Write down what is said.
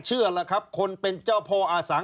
ชีวิตกระมวลวิสิทธิ์สุภาณฑ์